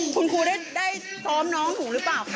คุณครูได้ซ้อมน้องถูกหรือเปล่าคะ